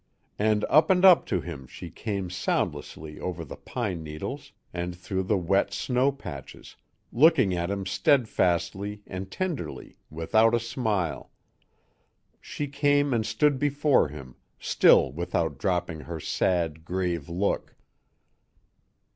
And up and up to him she came soundlessly over the pine needles and through the wet snow patches, looking at him steadfastly and tenderly, without a smile. She came and stood before him, still without dropping her sad, grave look.